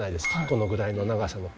このぐらいの長さの。